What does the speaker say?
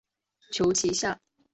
求其下